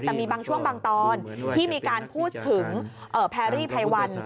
แต่มีบางช่วงบางตอนที่มีการพูดถึงแพรรี่ไพวัน